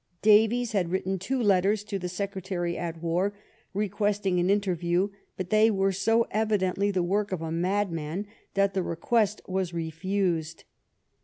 Davies had written two letters to the Secretary at War, requesting an interview ; but they were so evidently the work of a madman, that the request was refused.